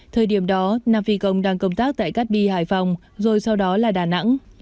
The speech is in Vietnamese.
thời điểm đó nam phi công đang công tác tại cát bi hải phòng rồi sau đó là đà nẵng